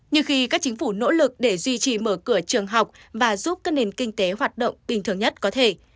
nhưng khi các chính phủ nỗ lực để duy trì mở cửa trường học và giúp các nền kinh tế hoạt động bình thường nhất có thể